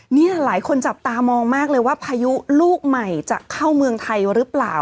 นี่หลายคนจับตามองมากเลยว่าพายุลูกใหม่จะเข้าเมืองไทยหรือเปล่า